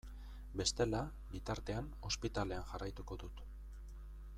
Bestela, bitartean, ospitalean jarraituko dut.